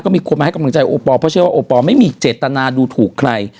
มีคนมาให้กำลังใจโอปอลเพราะเชื่อว่าโอปอลไม่มีเจตนาดูถูกใคร